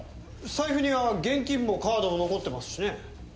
財布には現金もカードも残ってますしね。